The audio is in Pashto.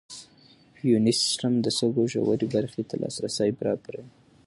یوني سیسټم د سږو ژورې برخې ته لاسرسی برابروي.